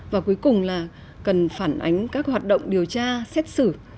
và cuối cùng là cần phản ánh các hoạt động điều tra xét xử